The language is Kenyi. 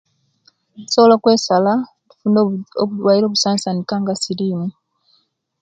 Nsobola okwesala nobu obulwaire obusansanika nga sirimu